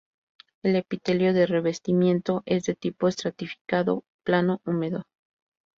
El epitelio de revestimiento es de tipo estratificado plano húmedo.